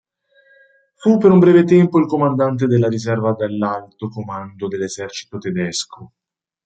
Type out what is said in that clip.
Fu per un breve tempo il comandante della riserva dell'alto comando dell'esercito tedesco.